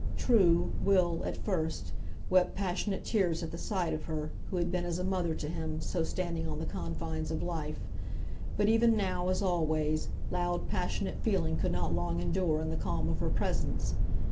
True, Will, at first, wept passionate tears at the sight of her, who had been as a mother to him, so standing on the confines of life. But even now, as always, loud passionate feeling could not long endure in the calm of her presence.